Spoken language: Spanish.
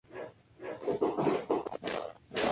Esto es ‘alas cortas’.